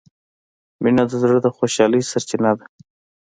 مینه د زړه د خوشحالۍ سرچینه ده.